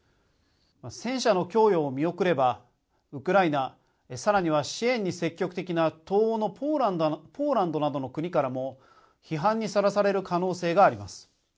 戦車の供与を見送ればウクライナさらには支援に積極的な東欧のポーランドなどの国からも批判にさらされる可能性があります。